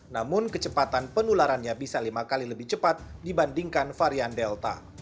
namun kecepatan penularannya bisa lima kali lebih cepat dibandingkan varian delta